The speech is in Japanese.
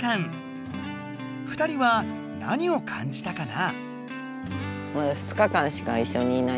２人は何をかんじたかな？